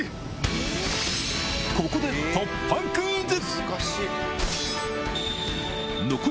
ここで突破クイズ！